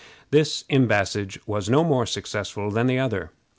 This embassage was no more successful than the other.